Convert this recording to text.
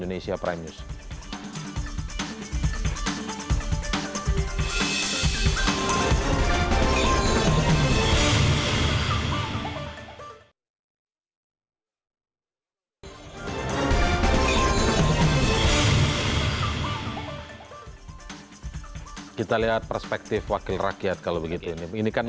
di proses secara hukum